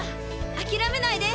諦めないで！